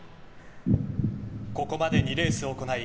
ここまで２レースを行い